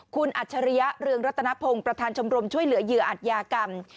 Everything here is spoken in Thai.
คุณอัจฉริยะเรืองรัตนพงศ์ประธานชมรมช่วยเหลือเหยื่ออัตยากรรม